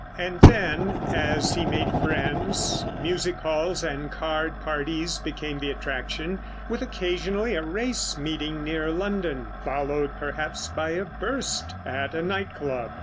And then, as he made friends music halls and card parties became the attraction, with occasionally a race meeting near London, followed, perhaps, by a "burst" at a "night club."